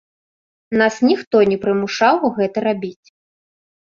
Нас ніхто не прымушаў гэта рабіць.